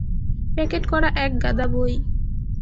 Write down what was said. Packet করা এক গাদা বই।